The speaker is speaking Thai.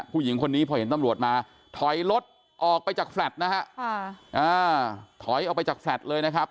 ผู้หญิงคนนี้พอเห็นตำรวจมาถอยรถออกไปจากแฟลตนะฮะถอยออกไปจากแลตเลยนะครับ